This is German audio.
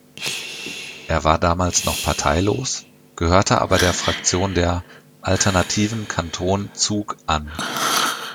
Er war damals noch parteilos, gehörte aber der Fraktion der "Alternativen Kanton Zug" an.